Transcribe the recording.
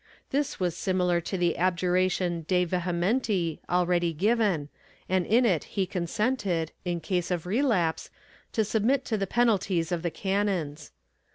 This was similar to the abjuration de vehementi already given and in it he consented, in case of relapse, to submit to the penalties of the canons.